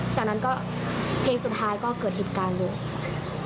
จากนั้นก็เพลงสุดท้ายก็เกิดเหตุการณ์เลยค่ะ